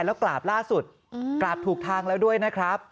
แล้วกราบล่าสุดกราบถูกทางแล้วด้วยนะครับ